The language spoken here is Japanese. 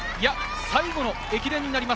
最後の駅伝になります。